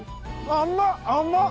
甘っ！